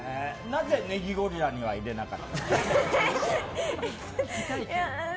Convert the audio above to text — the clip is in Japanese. なぜネギゴリラには入れなかったの。